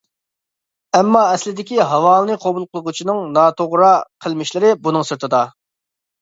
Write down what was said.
ئەمما ئەسلىدىكى ھاۋالىنى قوبۇل قىلغۇچىنىڭ ناتوغرا قىلمىشلىرى بۇنىڭ سىرتىدا.